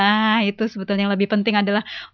nah itu sebetulnya yang lebih penting adalah